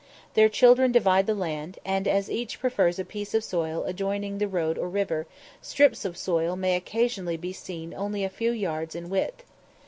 Their children divide the land, and, as each prefers a piece of soil adjoining the road or river, strips of soil may occasionally be seen only a few yards in width.